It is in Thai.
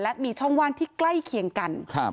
และมีช่องว่างที่ใกล้เคียงกัน